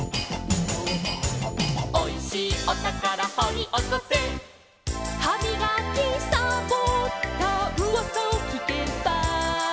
「おいしいおたからほりおこせ」「はみがきさぼったうわさをきけば」